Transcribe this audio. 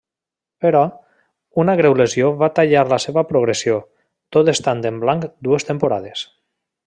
Però, una greu lesió va tallar la seua progressió, tot estant en blanc dues temporades.